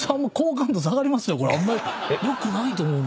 これあんまりよくないと思うな。